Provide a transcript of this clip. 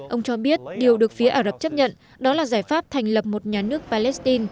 ông cho biết điều được phía ả rập chấp nhận đó là giải pháp thành lập một nhà nước palestine